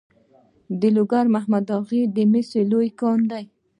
د لوګر په محمد اغه کې د مسو لوی کان دی.